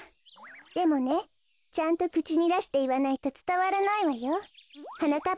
でもねちゃんとくちにだしていわないとつたわらないわよ。はなかっ